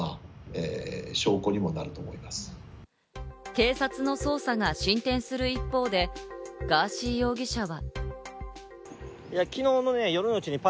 警察の捜査が進展する一方で、ガーシー容疑者は。